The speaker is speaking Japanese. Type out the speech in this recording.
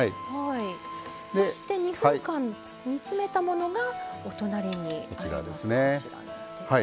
そして、２分間、煮詰めたものがお隣に。